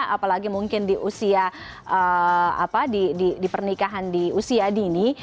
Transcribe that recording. apalagi mungkin di usia di pernikahan di usia dini